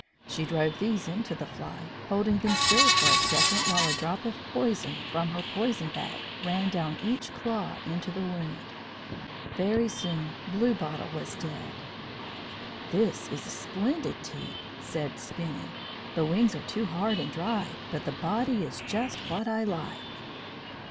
She drove these into the fly, holding them still for a second while a drop of poison from her poison bag ran down each claw into the wound. Very soon Blue bottle was dead. "This is a splendid tea!" said Spinny. "The wings are too hard and dry, but the body is just what I like."